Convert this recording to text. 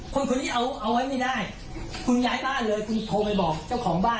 คนนี้เอาไว้ไม่ได้คุณย้ายบ้านเลยคุณโทรไปบอกเจ้าของบ้าน